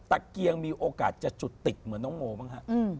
เกียงมีโอกาสจะจุดติดเหมือนน้องโมบ้างฮะ